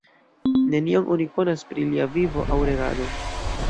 Nenion oni konas pri lia vivo aŭ regado.